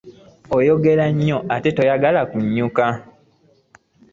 Oyogera nnyo ate toyagala kunnyuka.